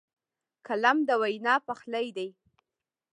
قلم د وینا پخلی دی